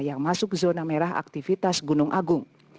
yang masuk zona merah aktivitas gunung agung